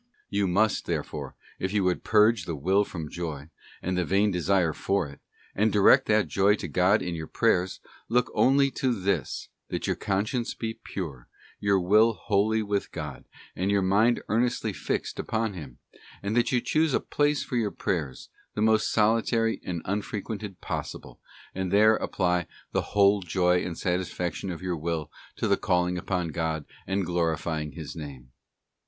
You must, therefore, if you would purge the will from joy, and the vain desire for it, and direct that joy to God in your prayers, look only to this, that your conscience be pure, your will wholly with God, and your mind earnestly fixed upon Him; and that you choose a place for your prayers, the most solitary and unfrequented possible, and there apply the whole joy and satisfaction of your will to the calling upon God and glorifying His name.